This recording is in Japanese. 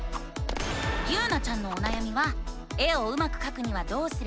ゆうなちゃんのおなやみは「絵をうまくかくにはどうすればいいの？」